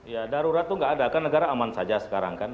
ya darurat itu nggak ada kan negara aman saja sekarang kan